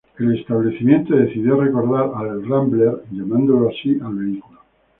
El establecimiento decidió recordar al Rambler, llamándolo así al vehículo.